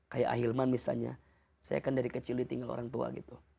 kayak ahilman misalnya saya kan dari kecil ditinggal orang tua gitu